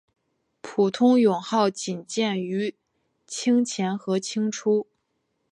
普通勇号仅见于清前和清初。